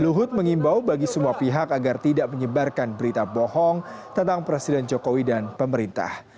luhut mengimbau bagi semua pihak agar tidak menyebarkan berita bohong tentang presiden jokowi dan pemerintah